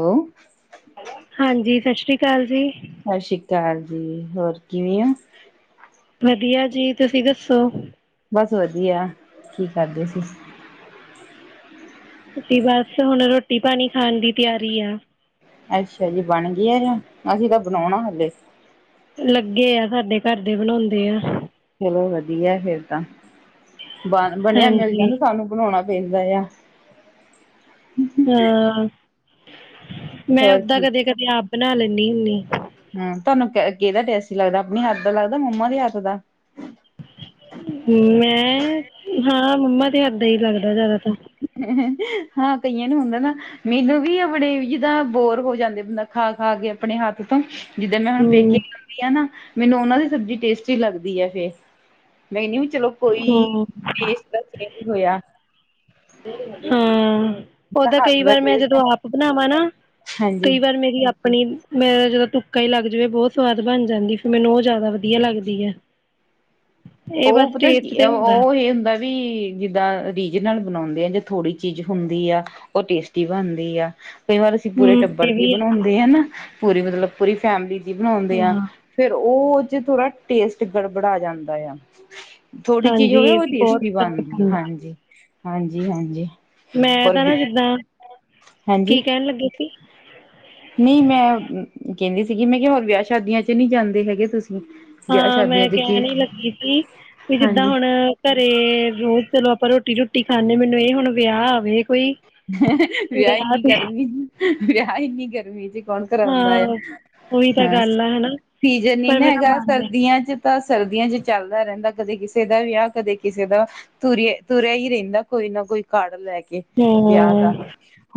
Hello ਹਾਂਜੀ ਸਤਿ ਸ੍ਰੀ ਅਕਾਲ ਜੀ। ਸਤਿ ਸ੍ਰੀ ਅਕਾਲ ਜੀ ਹੋਰ ਕਿਵੇਂ ਹੋ? ਵਧੀਆ ਜੀ ਤੁਸੀਂ ਦੱਸੋ? ਬਸ ਵਧੀਆ ਕੀ ਕਰਦੇ ਸੀ। ਅ ਬਸ ਹੁਣ ਰੋਟੀ ਪਾਣੀ ਖਾਣ ਦੀ ਤਿਆਰੀ ਆ। ਅੱਛਾ ਜੀ ਬਣ ਗਈ ਆ ਜਾ ਅਸੀਂ ਤਾਂ ਬਣਾਉਣਾ ਹਾਲੇ ਲੱਗੇ ਆ ਸਾਡੇ ਘਰ ਦੇ ਬਣਾਉਂਦੇ ਆ। ਚਲੋ ਵਧੀਆ ਫੇਰ ਤਾਂ ਬ ਬਣਿਆ ਮਿਲ ਹਾਂਜੀ ਜਾਂਦਾ ਸਾਨੂੰ ਬਣਾਉਣਾ ਪੈਂਦਾ ਆ। ਹਾਂ ਮੈਂ ਹੋਰ ਓਦਾਂ ਕਦੇ ਕਦੇ ਆਪ ਬਣਾ ਲੈਂਦੀ ਹੁੰਦੀ। ਹਮ ਤੁਹਾਨੂੰ ਕਿਹਦਾ ਟੈਸ ਲੱਗਦਾ ਆਪਣੀ ਹੱਥ ਦਾ ਲੱਗਦਾ ਮੰਮਾ ਦੇ ਹੱਥ ਦਾ ਮੈਂ ਹਾਂ ਮੰਮਾ ਤੇ ਹਰਦਾਂ ਹੀ ਲੱਗਦਾ ਜ਼ਿਆਦਾ ਤਾਂ ਹਾਂ ਕਈਆਂ ਨੂੰ ਹੁੰਦਾ ਨਾ ਮੈਨੂੰ ਵੀ ਆਪਣੇ ਜਿੱਦਾਂ ਬੋਰ ਹੋ ਜਾਂਦੇ ਬੰਦਾ ਖਾ ਖਾ ਕੇ ਆਪਣੇ ਹੱਥ ਤੋਂ ਜਿੱਦਰ ਮੈਂ ਹੁਣ ਪੇਕੇ ਹਮ ਲਾਉਦੀ ਹਾਂ ਨਾ ਮੈਨੂੰ ਉਹਨਾਂ ਦੀ ਸਬਜ਼ੀ ਟੇਸਟੀ ਲੱਗਦੀ ਹੈ ਫੇਰ ਮੈਂਨੀ ਚਲੋ ਕੋਈ ਹਾਂ ਦੇਸ਼ ਦਾ ਹੋਇਆ। ਹਮ। ਓਦਾਂ ਹੱਥ ਕਈ ਦਾ ਵਾਰ ਮੈਂ, ਟੇਸਟ ਜਦੋਂ ਆਪ ਬਣਾਵਾਂ ਨਾ ਹਾਂਜੀ। ਕਈ ਵਾਰ ਮੇਰੀ ਆਪਣੀ ਮੇ ਜਦੋਂ ਕਈ ਲੱਗ ਜਾਵੇ, ਬਹੁਤ ਸਵਾਦ ਬਣ ਜਾਂਦੀ ਫਿਰ ਮੈਨੂੰ ਉਹ ਜ਼ਿਆਦਾ ਵਧੀਆ ਲੱਗਦੀ ਹੈ। ਇਹ ਉਹ ਬਸ ਪਤਾ ਕੀ ਟੇਸਟ ਤੇ ਹੁੰਦਾ ਉਹ ਇਹ ਹੁੰਦਾ। ਵੀ ਜਿੱਦਾਂ ਰੀਜਨਲ ਬਣਾਦੇ ਆ ਜਾਂ ਥੋੜੀ ਚੀਜ਼ ਹੁੰਦੀ ਆ, ਉਹ ਟੇਸਟੀ ਬਣਦੀ ਆ। ਕਈ ਵਾਰ ਅਸੀਂ ਪੂਰੇ ਹਮ ਟੱਬਰ ਇਹ ਦੀ ਵੀ ਹੈ ਬਣਾਦੇ ਆ, ਨਾ ਪੂਰੀ ਮਤਲਬ ਪੂਰੀ ਫੈਮਿਲੀ ਬਣਾਦੇ ਆ ਹਾਂ ਫੇਰ, ਉਹ ਚ ਥੋੜਾ ਟੇਸਟ ਗੜਬੜ ਆ ਜਾਂਦਾ ਆ। ਥੋੜੀ ਚੀਜ਼ ਹਾਂਜੀ ਹੋਵੇ, ਇਹ ਉਹ ਵੀ ਬਹੁਤ ਦੇਸ਼ਟੀ ਫ਼ਰਕ ਬਣਦੀ ਹੈ, ਪੈਂਦਾ ਹਾਂਜੀ-ਹਾਂਜੀ-ਹਾਂਜੀ। ਮੈਂ ਤਾਂ ਨਾ ਜਿੱਦਾਂ ਹਾਂਜੀ ਕੀ ਕਹਿਣ ਲੱਗੇ ਸੀ। ਨਹੀਂ ਮੈਂ ਕਹਿੰਦੀ ਸੀਗੀ, ਮੈਂ ਕਿਹਾ ਹੋਰ ਵਿਆਹ ਸ਼ਾਦੀਆਂ ਚ ਨਹੀਂ ਜਾਂਦੇ ਹੈਗੇ ਤੁਸੀਂ। ਵਿਆਹ ਹਾਂ, ਸ਼ਾਦੀਆਂ ਮੈਂ ਚ ਕੀ ਕਹਿਣ ਹੀ ਲੱਗੀ ਸੀ। ਵੀ ਜਿੱਦਾਂ ਹਾਂਜੀ। ਹੁਣ ਘਰੇ ਰੋਜ਼ ਚਲੋ, ਆਪਾਂ ਰੋਟੀ ਰੁੋਟੀ ਖਾਂਦੇ ਮੈਨੂੰ ਇਹ ਹੁਣ ਵਿਆਹ ਆਵੇ ਕੋਈ ਵਿਆਹ ਇੰਨੀ ਗਰਮੀ ਵਿਆਹ ਇੰਨੀ ਗਰਮੀ ਚ ਕੌਣ ਕਰਾਦਾ ਆ ਹਾਂ ਉਹੀ ਤਾਂ ਹਾਂ, ਗੱਲ ਆ ਹੈ ਨਾ ਸੀਜਨ ਨ ਪਰ ਨਾ ਮੇਰਾ ਹੈਗਾ ਮਨ ਹੈ ਸਰਦੀਆਂ ਚ ਤਾਂ ਸਰਦੀਆਂ ਚ ਚੱਲਦਾ ਰਹਿੰਦਾ, ਕਦੇ ਕਿਸੇ ਦਾ ਵਿਆਹ ਕਦੇ ਕਿਸੇ ਦਾ ਤੁਰਿਆ ਤੁਰਿਆ ਹੀ ਰਹਿੰਦਾ ਕੋਈ ਨਾ। ਕੋਈ ਘੜ ਲੈ ਕੇ ਵਿਆਹ ਦਾ ਹਾਂ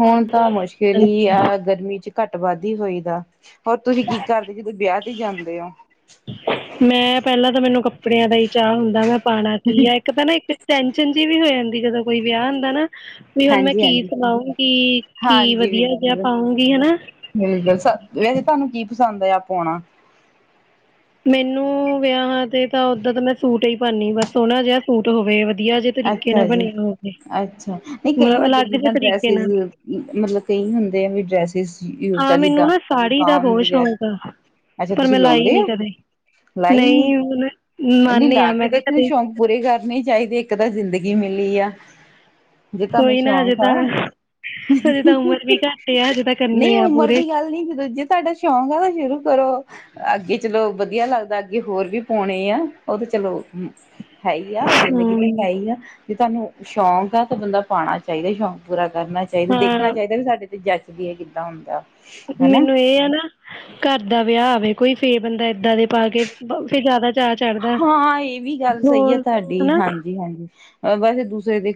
ਹੁਣ ਤਾਂ ਮੁਸ਼ਕਿਲ ਹਾਂਜੀ ਹੀ ਆ ਗਰਮੀ ਘੱਟ ਵੱਧੀ ਹੋਈ ਦਾ ਹੋਰ ਤੁਸੀਂ ਕੀ ਕਰਦੇ ਜਦੋਂ ਵਿਆਹ ਤੇ ਜਾਂਦੇ ਹੋ। ਮੈਂ ਪਹਿਲਾਂ ਤਾਂ ਮੈਨੂੰ ਕੱਪੜਿਆਂ ਦਾ ਹੀ ਚਾਹ ਹੁੰਦਾ ਮੈਂ ਪਾਉਣਾ ਕੀ ਆ ਇੱਕ ਤਾਂ ਨਾ ਇੱਕ ਟੈਨਸ਼ਨ ਜਿਹੀ ਵੀ ਹੋ ਜਾਂਦੀ ਜਦੋਂ ਕੋਈ ਵਿਆਹ ਹੁੰਦਾ ਨਾ। ਵੀ ਹੁਣ ਮੈਂ ਹਾਂਜੀ ਕੀ ਹਾਂਜੀ ਸੁਣਾਉਂਗੀ, ਕੀ ਹਾਂਜੀ ਵਧੀਆ ਜਿਹਾ ਬਿਲਕੁਲ ਪਾਊਂਗੀ ਹਨਾ। ਬਿਲਕੁਲ ਸ ਵੈਸੇ ਤੁਹਾਨੂੰ ਕੀ ਪਸੰਦ ਆ ਆਣਾ। ਮੈਨੂੰ ਵਿਆਹ ਹਾਂ ਤੇ ਤਾਂ ਓਦਾਂ ਤਾਂ ਮੈਂ ਸੂਟ ਹੀ ਈ, ਪਾਦੀ ਬਸ ਸੋਹਣਾ ਜਿਹਾ ਸੂਟ ਹੋਵੇ। ਵਧੀਆ ਜਿਹੇ ਤਰੀਕੇ ਨਾਲ ਅੱਛਾ ਜੀ ਬਣਿਆ ਹੋਵੇ ਅੱਛਾ ਨਹੀਂ ਕਈ ਮਤਲਬ ਅਲੱਗ ਜਿਹੇ ਜਿੱਦਾਂ ਤਰੀਕੇ ਡਰੈਸਿਸ ਨਾਲ ਮਤਲਬ ਕਈ ਹੁੰਦੇ ਆ ਵੀ, ਡਰੈਸਿਸ ਯੂਜ ਹਾਂ ਕਰ ਮੈਨੂੰ ਜਿੱਦਾਂ ਨਾ ਸਾੜੀ ਬਾ ਦਾ ਬਹੁਤ ਵਗੈਰਾ। ਸ਼ੌਕ ਆ ਅੱਛਾ, ਪਰ ਤੁਸੀਂ ਮੈਂ ਲਾਈ ਲਾਉਦੇ ਨੀ ਹੋ? ਕਦੇ ਲਾਈ ਨੀ ਨਹੀਂ ਹੁਣ ਕਹਿੰਦੀ, ਮੰਨ ਆ ਲਾ ਮੈਂ ਕੇ ਕਿਹਾ ਦੇਖਣੇ ਕਦੇ ਸ਼ੌਂਕ ਪੂਰੇ ਕਰਨੇ ਚਾਹੀਦੇ। ਦਾ ਜ਼ਿੰਦਗੀ ਮਿਲੀ ਆ। ਜੇ ਤੁਹਾਨੂੰ ਕੋਈ ਨਾ ਹਜੇ ਸ਼ੌਂਕ ਤਾਂ ਆ ਹਜੇ, ਤਾਂ ਉਮਰ ਵੀ ਘੱਟ ਆ ਹਜੇ ਤਾਂ ਨਹੀਂ ਕਰਨੇ ਆ ਉਮਰ ਪੂਰੇ ਦੀ ਗੱਲ ਨੀ ਸੀ, ਦੂਜੇ ਤੁਹਾਡਾ ਸ਼ੌਂਕ ਆ ਤਾਂ ਸ਼ੁਰੂ ਕਰੋ। ਅੱਗੇ ਚਲੋ ਵਧੀਆ ਲੱਗਦਾ, ਅੱਗੇ ਹੋਰ ਵੀ ਪਾਣੇ ਆ ਉਹ ਤੇ ਚਲੋ। ਹੂੰ ਹੈ ਹੀ ਆ ਜ਼ਿੰਦਗੀ ਤੇ ਹੂੰ ਹੈ ਹੀ ਆ, ਜੇ ਤੁਹਾਨੂੰ ਸ਼ੌਂਕ ਆ ਤੇ ਬੰਦਾ ਪਾਉਣਾ। ਚਾਹੀਦਾ ਸ਼ੌਂਕ ਪੂਰਾ ਕਰਨਾ ਚਾਹੀਦਾ, ਦੇਖਣਾ ਹਾਂ ਚਾਹੀਦਾ ਵੀ ਸਾਡੇ 'ਤੇ ਜੱਚਦੀ ਹੈ ਕਿੱਦਾਂ ਹੁੰਦਾ। ਹਨਾ ਮੈਨੂੰ ਇਹ ਆ ਨਾ ਘਰ ਦਾ, ਵਿਆਹ ਆਵੇ ਕੋਈ ਫੇਰ ਬੰਦਾ। ਇੱਦਾਂ ਦੇ ਪਾ ਕੇ ਫੇਰ ਜ਼ਿਆਦਾ। ਚਾਅ ਚੜ੍ਹਦਾ ਹਾਂ ਇਹ ਵੀ ਗੱਲ ਸਹੀ ਹੈ, ਹੋਰ ਤੁਹਾਡੀ ਹਨਾ ਹਾਂਜੀ-ਹਾਂਜੀ ਵੈਸੇ ਦੂਸਰੇ ਦੇ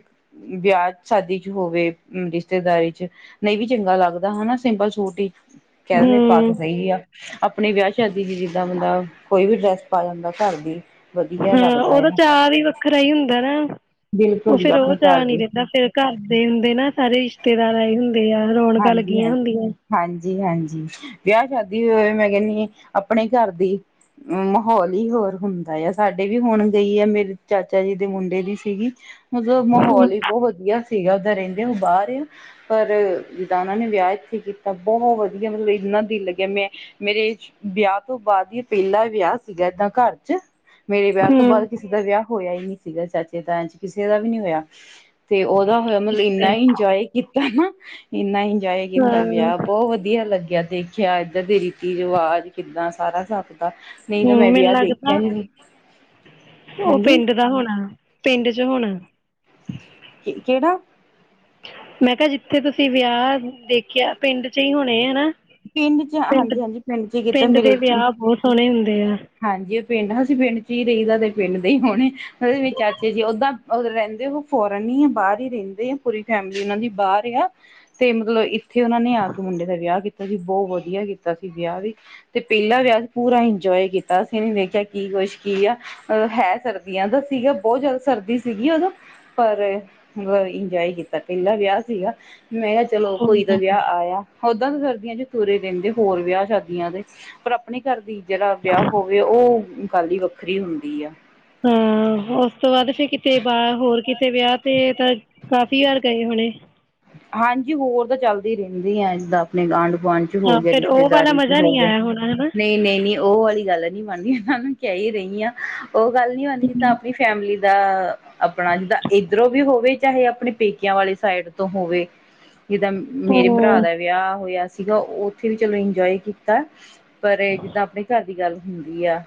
ਵਿਆਹ ਸ਼ਾਦੀ ਚ ਹੋਵੇ, ਰਿਸ਼ਤੇਦਾਰੀ ਚ ਨਹੀਂ ਵੀ ਚੰਗਾ ਲੱਗਦਾ ਹਨਾ ਸਿੰਪਲ ਸੂਟ ਹੀ ਕਹਿ ਦਿੰਦੇ ਪਾ ਹੂੰ ਕੇ ਸਹੀ ਆ, ਆਪਣੀ ਵਿਆਹ ਸ਼ਾਦੀ ਸੀ ਜਿੱਦਾਂ ਬੰਦਾ ਕੋਈ ਵੀ ਡਰੈਸ ਪਾ ਜਾਂਦਾ। ਕਰਦੀ। ਹਾਂ ਉਹਦਾ ਚਾਅ ਵੀ ਵੱਖਰਾ ਹੀ ਹੁੰਦਾ ਨਾ। ਉਹ ਬਿਲਕੁਲ ਜੀ ਫੇਰ ਉਹ ਆਪਣੇ ਚਾ ਘਰ ਨੀ ਦੀ ਰਹਿੰਦਾ, ਫੇਰ ਘਰ ਦੇ ਹੁੰਦੇ ਨਾ ਸਾਰੇ ਰਿਸ਼ਤੇ ਰਿਸ਼ਤੇਦਾਰਾਂ ਹੀ ਹੁੰਦੇ ਆ, ਰੌਣਕਾਂ ਲੱਗੀਆਂ ਹੁੰਦੀਆਂ। ਜੀ ਹਾਂਜੀ, ਵਿਆਹ ਸ਼ਾਦੀ ਹੋ ਹੋਵੇ ਮੈਂ ਕਹਿੰਦੀ ਆਪਣੇ ਘਰ ਦੀ ਮਾਹੌਲ ਹੀ ਹੋਰ ਹੁੰਦਾ, ਆ ਸਾਡੇ ਵੀ ਹੁਣ ਗਈ ਆ ਮੇਰੇ ਚਾਚਾ ਜੀ ਦੇ ਮੁੰਡੇ ਦੀ ਸੀਗੀ ਮਤਲਬ ਹੂੰ ਮਾਹੌਲ ਹੀ ਬਹੁਤ ਵਧੀਆ ਸੀਗਾ, ਉੱਦਾਂ ਰਹਿੰਦੇ ਹੋ ਬਾਹਰ ਆ ਪਰ ਜਿੱਦਾਂ ਉਹਨਾਂ ਨੇ ਵਿਆਹ ਇੱਥੇ ਕੀਤਾ ਬਹੁਤ ਵਧੀਆ, ਮਤਲਬ ਇੰਨਾ ਦਿਲ ਲੱਗਿਆ ਮੈਂ ਮੇਰੇ ਵਿਆਹ ਤੋਂ ਬਾਅਦ ਹੀ ਪਹਿਲਾ ਵਿਆਹ ਸੀਗਾ, ਏਦਾਂ ਘਰ ਚ ਮੇਰੇ ਵਿਆਹ ਤੋਂ ਬਾਅਦ ਹੂੰ ਕਿਸੇ ਦਾ ਵਿਆਹ ਹੋਇਆ, ਹੀ ਨਹੀਂ ਸੀਗਾ ਚਾਚੇ ਤਾਏ ਚ ਕਿਸੇ ਦਾ ਵੀ ਨੀ ਹੋਇਆ ਤੇ ਉਹਦਾ ਮਤਲਬ ਇੰਨਾ ਇੰਜੋਏ ਕੀਤਾ ਨਾ ਇੰਨਾ ਇੰਜੋਏ ਕੀਤਾ, ਹਾਂ ਵਿਆਹ ਬਹੁਤ ਵਧੀਆ ਲੱਗਿਆ। ਦੇਖਿਆ ਇੱਧਰ ਦੇ ਰੀਤੀ, ਰਿਵਾਜ ਕਿੱਦਾਂ ਸਾਰਾ ਸ ਹੂੰ, ਮੈਨੂੰ ਲੱਗਦਾ ਉਹ ਹਾਂਜੀ ਪਿੰਡ ਦਾ ਹੋਣਾ। ਪਿੰਡ ਚ ਹੋਣਾ। ਕਿਹੜਾ ਮੈਂ ਕਿਹਾ ਜਿੱਥੇ ਤੁਸੀਂ ਵਿਆਹ ਦੇਖਿਆ ਪਿੰਡ ਚ ਹੀ ਹੋਣੇ ਹਨਾ। ਪਿੰਡ ਚ ਪਿੰਡ ਹਾਂਜੀ ਹਾਂਜੀ ਪਿੰਡ ਚ ਕੀਤਾ ਮੇਰੇ ਦੇ ਵਿਆਹ ਬਹੁਤ ਸੋਹਣੇ ਹੁੰਦੇ ਆ। ਹਾਂਜੀ ਪਿੰਡ ਅਸੀਂ ਪਿੰਡ ਚ ਹੀ ਰਹੀਦਾ ਤੇ ਪਿੰਡ ਦੇ ਹੀ ਹੋਣੇ ਉਹਦੇ ਵਿੱਚ ਚਾਚੇ ਜੀ ਓਦਾਂ ਰਹਿੰਦੇ ਉਹ ਫੋਰਨ ਬਾਹਰ ਹੀ ਰਹਿੰਦੇ ਆ ਪੂਰੀ ਫੈਮਿਲੀ ਉਹਨਾਂ ਦੀ ਬਾਹਰ ਆ ਤੇ ਮਤਲਬ ਇੱਥੇ ਉਹਨਾਂ ਨੇ ਆ ਕੇ ਮੁੰਡੇ ਦਾ ਵਿਆਹ ਕੀਤਾ। ਸੀ ਬਹੁਤ ਵਧੀਆ ਕੀਤਾ ਸੀ ਵਿਆਹ ਵੀ ਤੇ ਪਹਿਲਾਂ ਵਿਆਹ ਪੂਰਾ ਇੰਜੋਏ ਕੀਤਾ ਅਸੀਂ ਦੇਖਿਆ ਕੀ ਕੁਛ ਕੀ ਆ ਅਹ ਹੈ ਸਰਦੀਆਂ ਦਾ ਸੀਗਾ ਬਹੁਤ ਜ਼ਿਆਦਾ ਸਰਦੀ ਸੀਗੀ ਉਦੋਂ ਪਰ-' ਇੰਜੋਏ ਕੀਤਾ ਪਹਿਲਾ ਵਿਆਹ ਸੀਗਾ ਮੈਂ ਕਿਹਾ ਚਲੋ ਕੋਈ ਤਾਂ ਹਾਂ ਵਿਆਹ ਆਇਆ ਓਦਾਂ ਫਿਰ ਚ ਤੁਰੇ ਦਿੰਦੇ ਹੋਰ ਵਿਆਹ ਸ਼ਾਦੀਆਂ ਦੇ ਪਰ ਆਪਣੇ ਘਰ ਦੀ ਜਿਹੜਾ ਵਿਆਹ ਹੋਵੇ ਉਹ ਖਾਲੀ ਵੱਖਰੀ ਹੁੰਦੀ ਆ। ਹੂੰ ਉਸ ਤੋਂ ਬਾਅਦ ਫਿਰ ਕਿਤੇ ਬਾਹ ਹੋਰ ਕਿਤੇ ਵਿਆਹ ਤੇ ਤਾਂ ਕਾਫ਼ੀ ਵਾਰ ਗਏ ਹੋਣੇ। ਹਾਂਜੀ ਹੋਰ ਤਾਂ ਚੱਲਦੀ ਰਹਿੰਦੀ ਆ ਜਦਾਂ ਆਪਣੇ ਗਾਂਢ ਵਾਨ ਚ ਹੋ ਹਾਂ ਗਿਆ ਫਿਰ ਉਹ ਵਾਲਾ ਰਿਸ਼ਤੇਦਾਰੀ ਚ ਮਜ਼ਾ ਹੋ ਨਹੀਂ ਗਿਆ ਆਇਆ ਹੋਣਾ ਹਨਾ ਨਹੀਂ ਨਹੀਂ ਨਹੀਂ ਉਹ ਵਾਲੀ ਗੱਲ ਮੰਨਨੀ ਇਹਨਾਂ ਨੂੰ ਕ ਹੀ ਰਹੀ ਹ। ਉਹ ਗੱਲ ਨੀ ਹਦੀ ਜਿੱਦਾਂ ਆਪਣੀ ਫੈਮਿਲੀ ਦਾ ਆਪਣਾ ਜਿੱਦਾਂ ਇੱਧਰੋਂ ਵੀ ਹੋਵੇ। ਚਾਹੇ ਆਪਣੇ ਪੇਕਿਆਂ ਵਾਲੀ ਸਾਈਡ ਤੋਂ ਹੋਵੇ ਜਿੱਦਾਂ ਮੇਰੇ ਭਰਾ ਉਹ ਦਾ ਵਿਆਹ ਹੋਇਆ ਸੀਗਾ ਉੱਥੇ ਵੀ ਚਲੋ ਇੰਜੋਏ ਕੀਤਾ ਪਰ ਜਿੱਦਾਂ ਆਪਣੇ ਘਰ ਦੀ ਗੱਲ ਹੁੰਦੀ ਆ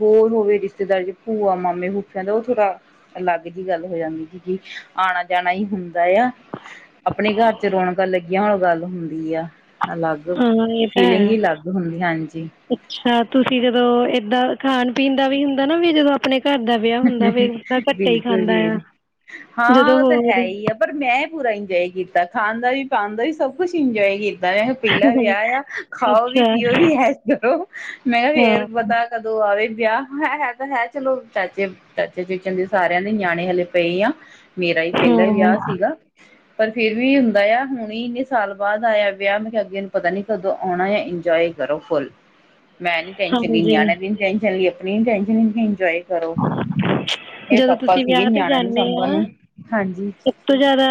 ਹੋਰ ਹੋਵੇ ਰਿਸ਼ਤੇਦਾਰ ਭੂਆ ਮਾਮੇ ਫਫਾ ਦਾ ਉਹ ਥੋੜਾ ਅਲੱਗ ਜਿਹੀ ਗੱਲ ਹੋ ਜਾਂਦੀ ਸੀ ਕਿ ਆਣਾ ਜਾਣਾ ਹੀ ਹੁੰਦਾ ਆ ਆਪਣੇ ਘਰ ਚ ਰੌਣਕਾਂ ਲੱਗੀਆਂ ਹੋਣ ਗੱਲ ਹੁੰਦੀ ਆ। ਅਲੱਗ ਹਾਂ ਇਹ ਤਾਂ ਫੀਲਿੰਗ ਹੈ। ਹੀ ਅਲੱਗ ਹੁੰਦੀ ਹਾਂਜੀ। ਅੱਛਾ ਤੁਸੀਂ ਜਦੋਂ ਏਦਾਂ ਖਾਣ ਪੀਣ ਦਾ ਵੀ ਹੁੰਦਾ ਨਾ ਵੀ ਜਦੋਂ ਆਪਣੇ ਘਰ ਦਾ ਵਿਆਹ ਹੁੰਦਾ ਫਿਰ ਤਾਂ ਬੰਦਾ ਘੱਟੇ ਹੀ ਬਿਲਕੁਲ ਖਾਂਦਾ ਜੀ । ਬਿਲ ਹਾਂ ਉਹ ਤਾਂ ਹੈ ਹੀ ਆ ਪਰ ਮੈਂ ਪੂਰਾ ਇੰਜੋਏ ਕੀਤਾ। ਖਾਣ ਦਾ ਵੀ ਪਾਣ ਦਾ ਵੀ ਸਭ ਕੁਛ ਇੰਜੋਏ ਕੀਤਾ ਮੈਂ ਕਿਹਾ ਪਹਿਲਾ ਵਿਆਹ ਆ ਖਾਓ ਵੀ ਅੱਛਾ ਪੀਓ ਵੀ ਇਸ ਇਸ ਕਰੋ ਮੈਂ ਕਿਹਾ ਹਾਂ ਫੇਰ ਕੀ ਪਤਾ ਕਦੋਂ ਆਵੇ। ਵਿਆਹ ਹੈ ਹੈ ਤਾਂ ਹੈ ਚਲੋ ਚਾਚੇ ਚਾਚੇ ਚੂਚਨ ਦੇ ਸਾਰਿਆਂ ਦੇ ਨਿਆਣੇ ਹਲੇ ਪਏ ਆ। ਮੇਰਾ ਹੀ ਪਹਿਲਾਾਂ ਹਾਂ। ਵਿਆਹ ਸੀਗਾ। ਪਰ ਫੇਿਰ ਵੀ ਹੁੰਦਾ ਆ ਹੁਣ ਹੀ ਇੰਨੇ ਸਾਲ ਬਾਅਦ ਆਇਆ ਵਿਆਹ ਮੈਂ ਕਿਹਾ ਉਹਨਾਂ ਨੇ ਪਤਾ ਨੀ ਕਦੋਂ ਆਉਣਾ ਆ ਇੰਜੋਏ ਕਰੋ ਫੁੱਲ ਮੈਂ ਨੀ ਟਸ਼ਨ ਲ ਹਾਂਜੀ ਨਿਆਣੇ ਦੀ ਨੀ ਟ ਆਪਣੀ ਨੀ ਟੈਸ਼ਨ ਲੈਂਦੀ ਇੰਜੋਏ ਕਰੋ। ਹੂੰ ਮੇਰੇ ਜਦੋਂ ਪਾਪਾ ਤੁਸੀਂ ਸੀਗੇ ਵਿਆਹ ਤੇ ਨਿਆਣਿਆਂ ਨੂੰ ਜਾਂਦੇ ਸਾਂਭਣ ਆ ਨੂੰ ਹਾਂਜੀ। ਸਭ ਤੋਂ ਜਿਆਦਾ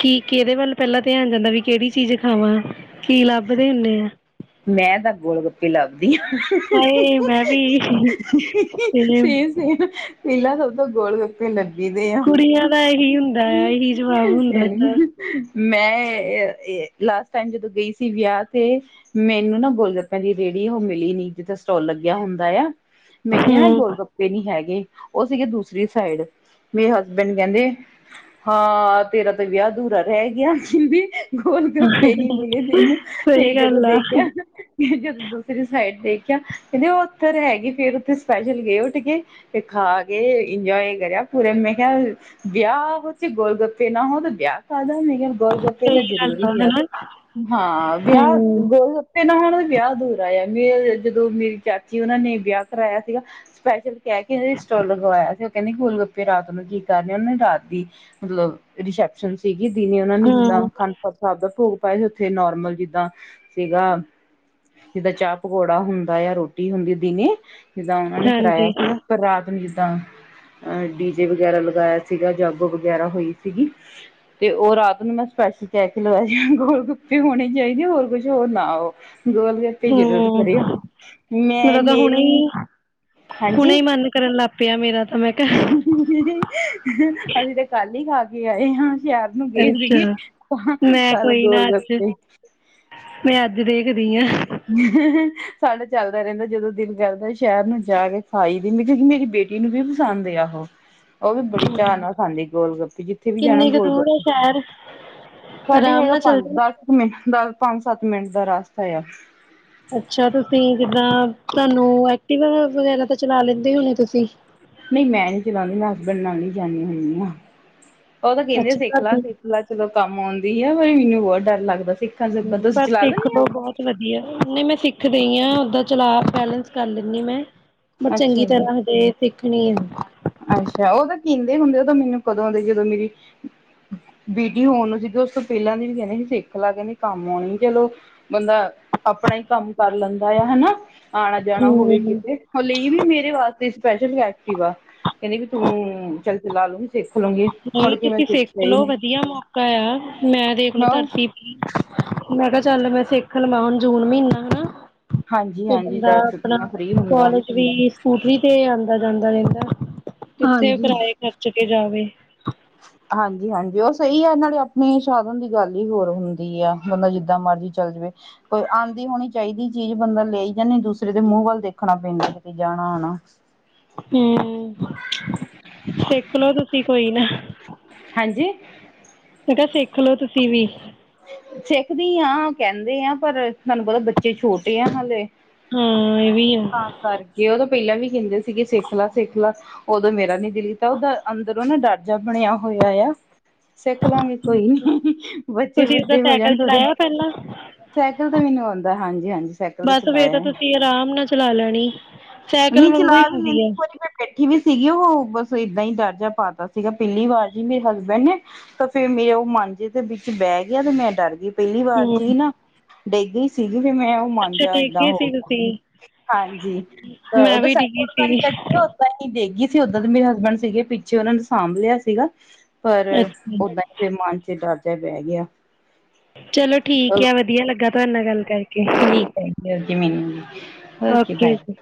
ਕੀ ਕਿਹਦੇ ਵੱਲ ਪਹਿਲਾਂ ਧਿਆਨ ਜਾਂਦਾ ਵੀ ਕਿਹੜੀ ਚੀਜ਼ ਖਾਵਾਂ ਕੀ ਲੱਭਦੇ ਹੁੰਦੇ ਆ। ਮੈਂ ਤਾਂ ਗੋਲ ਗੱਪੇ ਲੱਗਦੀ। ਹਾਏ ਮੈਂ ਵੀ ਤੇ ਸੇਮ ਸੇਮ,,, ਪਹਿਲਾ ਸਭ ਤੋਂ ਗੋਲ ਗੱਪੇ ਲੈ- ਬਹਿੰਦੇ ਆ। ਕੁੜੀਆਂ ਦਾ ਇਹੀ ਹੁੰਦਾ ਆ ਇਹੀ ਜਵਾਬ ਹੁੰਦਾ ਆ। ਮੈਂ ਲਾਸਟ ਟਾਈਮ ਜਦੋਂ ਗਈ ਸੀ ਵਿਆਹ ਤੇ ਮੈਨੂੰ ਨਾ ਗੋਲ ਗੱਪਿਆਂ ਦੀ ਰੇਹੜੀ ਉਹ ਮਿਲੀ ਨੀ ਜਿੱਥੇ ਸਟੋਲ ਲੱਗਿਆ ਹੁੰਦਾ ਆ। ਮੈਂ ਕਿਹਾ ਹੂੰ ਗੋਲ ਗੱਪੇ ਨਹੀਂ ਹੈਗੇ ਉਹ ਸੀਗੇ ਦੂਸਰੀ ਸਾਈਡ ਮੇਰੇ ਹਸਬੈਂਡ ਕਹਿੰਦੇ ਹਾਂ ਤੇਰਾ ਤੇ ਵਿਆਹ ਅਧੂਰਾ ਰਹਿ ਗਿਆ ਕਹਿੰਦੇ। ਗੋਲ ਗੱਪੇ ਨੀ ਮਿਲੇ ਤੈਨੂੰ ਫਿਰ ਸਹੀ ਜਦੋਂ ਗੱਲ ਆ ਦੇਖਿਆ ਫ ਜਦੋਂ ਦੂਸਰੀ ਸਾਈਡ ਦੇਖਿਆ। ਕਹਿੰਦੇ ਉਹ ਉੱਥਰ ਹੈਗੀ ਫੇਰ ਉੱਥੇ ਸਪੈਸ਼ਲ ਗਏ ਉੱਠ ਕੇ ਤੇ ਖਾ ਕੇ ਇੰਜੋਏ ਕਰਿਆ। ਪੂਰੇ ਮੈਂ ਕਿਹਾ ਵਿਆਹ ਹੋ ਚੇ ਗੋਲ ਗੱਪੇ ਨਾ ਹੋ ਤਾਂ ਕਾਦਾ ਮ ਗੋਲ ਗੱਪੇ ਸਹੀ ਤਾਂ ਗੱਲ ਜਰੂਰੀ ਆ ਹਨਾ ਹਾਂ ਵਿਆਹ ਹੂੰ ਗੋਲ ਗੱਪੇ ਪਹਿਲਾ ਹੁਣ ਉਹ ਵਿਆਹ ਅਧੂਰਾ ਆ। ਜਦੋਂ ਮੇਰੀ ਚਾਚੀ ਉਹਨਾਂ ਨੇ ਵਿਆਹ ਕਰਵਾਇਆ ਸੀਗਾ ਸਪੈਸ਼ਲ ਕਹਿ ਕੇ ਉਹ ਸਟੋਲ ਲਗਵਾਇਆ ਸੀ। ਕਹਿੰਦੇ ਗੋਲ ਗੱਪੇ ਰਾਤ ਨੂੰ ਕੀ ਕਰ ਰ ਉਹਨਾਂ ਨੇ ਰਾਤ ਦੀ ਮਤਲਬ ਰਿਸੈਪਸ਼ਨ ਸੀ। ਜ ਦੀ ਨੇ ਉਹਨਾਂ ਨੇ ਜਿੱਦਾਂ ਹੂੰ ਆਖੰਡ ਪਾਠ ਸਾਹਿਬ ਦਾ ਭੋਗ ਪਾਾਇਆ ਸੀ ਉੱਥੇ ਨੋਰਮਲ ਜਿੱਦਾਂ ਸੀਗਾ ਜਿੱਦਾਂ ਚਾਹ ਪਕੌੜਾ ਹੁੰਦਾ ਜਾਂ ਰੋਟੀ ਹੁੰਦੀ ਦਿਨੇ ਜਿੱਦਾਂ ਉਹਨਾ ਨੇ ਕਰਵਾਾਇਆ ਹਾਂਜੀ ਸੀਗਾ ਪਰ ਰਾਤ ਨੂੰ ਜਿੱਦਾਂ ਅਹ ਡੀਜੇ ਵਗੈਰਾ ਲਗਾਇਆ ਸੀਗਾ ਜਗ ਵਗੈਰਾ ਹੋਈ ਸੀਗੀ ਤੇ ਉਹ ਰਾਤ ਨੂੰ ਮੈਂ ਸਪਸ਼ ਕਹਿ ਕਿ ਲੋ ਜ ਗੋਲ ਗੁੱਪੇ ਹੋਣੇ ਚਾਹੀਦੇ ਹੋਰ ਕੁਛ ਹੋਰ ਨਾ ਹੋ। ਗੋਲ ਗਪੀ ਜ਼ਰੂਰ ਹੂੰ ਕਰਿਓ ਮੈਂ ਮੇਰਾ ਤਾਂ ਹੁਣੇ ਮੇਰੀ ਹੀ ਹੁਣੇ ਹਾਂਜੀ ਹੀ ਮਨ ਕਰਨ ਲੱਗ ਪਿਆ ਮੇਰਾ ਤਾਂ ਮੈਂ ਕਿਹਾ ਅਸੀਂ ਤੇ ਕੱਲ ਹੀ ਖਾ ਕੇ ਆਏ ਹਾਂ। ਸ਼ਹਿਰ ਨੂੰ ਗਏ ਸੀਗੇ ਅੱਛਾ ਮੈਂ ਕੱਲ ਕੋਈ ਨਾ ਗੋਲ ਅੱਜ ਰੱਸਤੇ ਦੀਆਂ ਹੈ। ਸਾਡਾ ਚੱਲਦਾ ਰਹਿੰਦਾ ਜਦੋਂ ਦਿਲ ਕਰਦਾ ਸ਼ਹਿਰ ਨੂੰ ਜਾ ਕੇ ਖਾਈ ਦਦੀ ਕਿਉਂਕਿ ਮੇਰੀ ਬੇ ਬੇਟੀ ਨੂੰ ਵੀ ਪਸੰਦ ਆ ਉਹ ਉਹ ਵੀ ਬੜੀ ਚਾਅ ਨਾਲ ਖਾਂਦੀ ਗੋਲ ਗੱਪੀ ਜਿੱਥੇ ਵੀ ਜਾਣਾ ਕਿੰਨੀ ਕੁ ਗੋਲ ਦੂਰ ਹੈ ਗੱਪੇ ਸ਼ਹਿਰ ਸਾਡੀ ਆਰਾਮ ਹੈਗਾ ਨਾਲ ਪੰਜ ਚੱਲਦੇ ਦਸ ਕੁ ਮਿੰਟ ਦਸ ਪੰਜ ਸੱਤ ਮਿੰਟ ਦਾ ਰਸਤਾ ਆ। ਅੱਛਾ ਤੁਸੀਂ ਜਿੱਦਾਂ ਤੁਹਾਨੂੰ ਐਕਟੀਵਾ ਵਗੈਰਾ ਤਾਂ ਚਲਾ ਲੈਂਦੇ ਹੋਣੇ ਤੁਸੀਂ ਨਹੀਂ ਮੈਂ ਨੀ ਚਲਾਉਂਦੀ ਮੈਂ ਹਸਬੈਂਡ ਨਾਲ ਹੀ ਜਾਂਦੀ ਹਦੀ ਹਾਂ। ਉਹ ਤਾਂ ਕਹਿੰਦੇ ਅੱਛਾ ਸਿੱਖਲਾ ਭਾਬੀ ਸਿੱਖਲਾ ਚਲੋ ਕੰਮ ਆਉਂਦੀ ਹੈ ਪਰ ਮੈਨੂੰ ਬਹੁਤ ਡਰ ਲੱਗਦਾ। ਸਿੱਖਣ ਸੁੱਖਣ ਤੁਸੀਂ ਬ ਚਲਾ ਦੇਖ ਲੈਂਦੇ ਹੋ? ਲੋ ਬਹੁਤ ਵਧੀਆ। ਸਿੱਖ ਰਹੀ ਹਾਂ ਓਦਾਂ ਚਲਾ ਬੈਲੈਂਸ ਕਰ ਲੈਂਦੀ ਮੈਂ ਪਰ ਅੱਛਾ ਚੰਗੀ ਜੀ ਤਰ੍ਹਾਂ ਹਜ ਸਿੱਖਣੀ ਆ। ਅੱਛਾ ਉਹ ਤਾਂ ਹੁੰਦੇ ਕਹਿੰਦੇ ਉਹ ਤਾਂ ਮੈਨੂੰ ਕਦੋਂ ਆ ਦੇ ਜਦੋਂ ਮੇਰੀ ਬੀਟੀ ਹੋਣ ਨੂੰ ਜਿੱਦ ਉਸ ਤੋਂ ਪਹਿਲਾਂ ਦੀ ਵੀ ਕਹਿੰਦੇ ਸੀ ਸਿੱਖ ਲ ਕਹਿੰਦੇ ਕੰਮ ਆਉਣੀ ਚਲੋ ਬੰਦਾ। ਆਪਣਾ ਹੀ ਕੰਮ ਕਰ ਲੈਂਦਾ ਆ ਹਨਾ ਆਉਣਾ ਜਾਣਾ ਹੋਵੇ ਹਮ ਕਿਤੇ ਹ ਲਈ ਵੀ ਮੇਰੇ ਵਾਸਤੇ ਸਪੈਸ਼ਲ ਐਕਟਿਵ ਕਹਿੰਦੇ ਵੀ ਤੂੰ ਚੱਲ ਚਲਾ ਲੂੰਗੀ। ਸਿੱਖ ਲੂੰਗੀ ਮੁੜ ਨਹੀਂ ਕੇ ਮੈਂ ਤੁਸੀਂ ਸਿੱਖਿਆ ਹੀ ਸਿੱਖਲਓ ਨੀ ਵਧੀਆ ਮੌਕਾ ਆ ਮੈਂ ਦੇਖਲੋ ਹਾਂ। ਧਰਤੀ ਮੈਂ ਕਿਹਾ ਚੱਲ ਮੈਂ ਸਿੱਖ ਲਵਾਂ ਹੁਣ ਜੂਨ ਮਹੀਨਾ ਹਨਾ। ਤੇ ਹਾਂਜੀ-ਹਾਂਜੀ ਬੰਦਾ ਦ ਆਪਣਾ ਛੁੱਟੀਆਂ ਫ੍ਰਰੀ ਹੁੰਦਾ। ਕੋਾਲਜ ਵੀ ਸਕੂਟਰੀ ਤੇ ਆਉਂਦਾ ਜਾਂਦਾ ਰਹਿੰਦਾ। ਕਿੱਥੇ ਹਾਂਜੀ। ਕਿਰਾਏ ਖਰਚ ਕੇ ਜਾਵੇ। ਹਾਂਜੀ-ਹਾਂਜੀ ਉਹ ਸਹੀ ਆ ਇਹੇ ਆਪਣੇ ਸਾਧਨ ਦੀ ਗੱਲ ਹੀ ਹੋਰ ਹੁੰਦੀ ਆ ਬੰਦਾ ਜਿੱਦਾਂ ਮਰਜ਼ੀ ਚੱਲ ਜਾਵੇ ਕੋਈ ਆਉਂਦੀ। ਹੋਣੀ ਚਾਹੀਦੀ ਚੀਜ਼ ਬੰਦਾ ਲੈ ਹੀ ਜਾਂਦੀ ਦੂਸਰੇ ਦੇ ਮੂੰਹ ਵੱਲ ਦੇਖਣਾ ਪੈਂਦਾ ਕਿਤੇ ਜਾਣਾ ਆਣਾ। ਹਮ ਸਿੱਖਲਓ ਤੁਸੀਂ ਕੋਈ ਨਾ ਹਾਂਜੀ ਤਾਂ ਸਿੱਖਲੋ ਤੁਸੀਂ ਵੀ। ਸਿੱਖਦੀ ਹਾਂ ਕਹਿੰਦੇ ਆ ਪਰ ਤੁਹਾਨੂੰ ਪਤਾ ਬੱਚੇ ਛੋਟੇ ਆ ਹਾਲੇ। ਹਾਂ ਇਹ ਵੀ ਆ ਹਾਂ ਕਰਕੇ ਉਹਦ ਪਹਿਲਾਂ ਵੀ ਕਹਿੰਦੇ ਸੀਗੇ ਸਿੱਖ ਲ ਸਿੱਖ ਲ ਉਦੋਂ ਮੇਰਾ ਨੀ ਦਿਲ ਕੀਤਾ ਉਹਦਾ ਅੰਦਰ ਉਹ ਨਾ ਡਾਟ ਬਣਿਆ ਹੋਇਆ ਆ ਸਿੱਖ ਲਾਂਗੇ ਕੋਈ ਨੀ ਤੁਸੀਂ ਓਾਂ ਵੱਡੇ ਹੋ ਸਾਈਕਲ ਜਾਣ ਥੋੜੇ ਚਲਾਇਆ ਪਹਿਲਾਂ? ਸਾਈਕਲ ਤਾਂ ਮੈਨੂੰ ਆਉਂਦਾ ਹਾਂਜੀ ਹਾਂਜੀ ਸਾਈਕਲ ਬਸ ਫਿਰ ਚਲਾਇਆ ਤਾਂ ਤੁਸੀਂ ਆਰਾਮ ਨਾਲ ਚਲਾ ਲੈਣੀ। ਸਾਈਕਲ ਨਹੀਂ ਵਾਂਗੂ ਹੀ ਚਲਾ ਵੀ ਹੁੰਦੀ ਲੈਂਦੀ ਆ ਵਾਰੀ ਮ ਬੈਠੀ ਵੀ ਸੀਗੀ ਉਹ ਬ ਏਦਾਂ ਹੀ ਦਰਜਾ ਪਾਤਾ ਸੀਗਾ ਪਹਿਲੀ ਵਾਰ ਜੀ ਮੇਰੇ ਹਸਬੈਂਡ ਨੇ ਤਾਂ ਫੇਰ ਮੇਰੇ ਉਹ ਮਾਂਜੇ ਦੇ ਵਿੱਚ ਬ ਰਹਿ ਗਿਆ ਤੇ ਮੈਂ ਡਰ ਗਈ ਪਹਿਲੀ ਵਾਰ ਚ ਹੂੰ ਹੀ ਨਾ ਡਿੱਗ ਗਈ ਸੀ। ਮੈਂ ਉਹ ਅੱਛਾ ਮੰਜਾ ਡਿੱਗ ਏਦਾਂ ਗਏ ਹੋ ਸੀ ਤੁਸੀਂ ਹਾਂਜੀ। ਤਾਂ ਮੈਂ ਉਹਦਾ ਵੀ ਸ ਡਿੱਗੀ ਨੀ ਸੀ ਲੱਗੀ ਉਓਦਾਂ ਹੀ ਦੇ ਗਈ ਸੀ ਉਓਦਾਂ ਤੇ ਮੇਰੇ ਹਸਬੈਂਡ ਸੀਗੇ ਪਿੱਛੇ ਉਹਨਾਂ ਨੇ ਸਾਂਭ ਲਿਆ ਸੀਗਾ ਪਰ ਅੱਛਾ ਓਦਾਂ ਹੀ ਫ ਮਨ ਚ ਡਰ ਬਹਿ ਗਿਆ। ਚਲੋ ਠੀਕ ਚਲੋ ਆ ਵਧੀਆ ਲੱਗਾ ਤੁਹਾਡੇ ਨਾਲ ਗੱਲ ਕਰਕੇ ਠੀਕ ਜ ਜ ਮਨੂੰ ਓਕੇ ਜੀ।